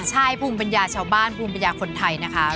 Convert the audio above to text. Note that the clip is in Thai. ใช่ภูมิปัญญาชาวบ้านภูมิปัญญาคนไทยนะคะ